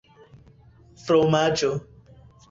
fromaĝo